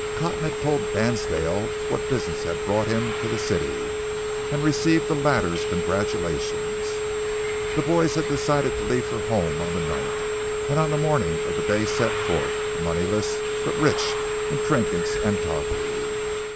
Cotton had told Dansdale what business had brought him to the city, and received the latter's congratulations. The boys had decided to leave for home on the ninth, and on the morning of the day set forth, moneyless but rich in trinkets and toggery.